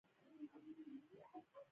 مېز د دود او کلتور برخه ده.